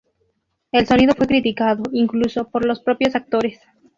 El sonido fue criticado, incluso, por los propios actores.